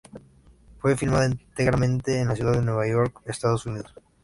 Fue filmada íntegramente en la ciudad de Nueva York, Estados Unidos.